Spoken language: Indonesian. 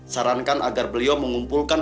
sarankan agar beliau mengumpulkan